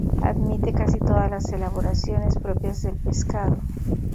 Admite casi todas las elaboraciones propias del pescado.